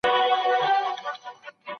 د حقایقو څرګندول جرئت غواړي.